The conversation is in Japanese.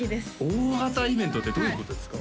大型イベントってどういうことですか？